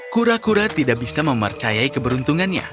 kura kura tidak bisa mempercayai keberuntungannya